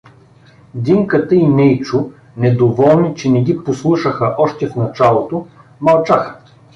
Динката и Нейчо, недоволни, че не ги послушаха още в началото, мълчаха.